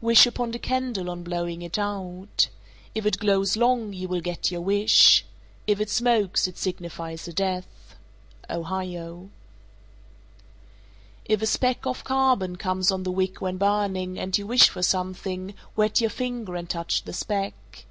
Wish upon a candle on blowing it out. If it glows long, you will get your wish. If it smokes, it signifies a death. Ohio. 434. If a speck of carbon comes on the wick when burning, and you wish for something, wet your finger and touch the speck.